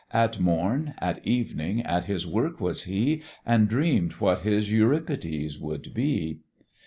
At morn, at evening, at his work was he, And dream'd what his Euripides would be.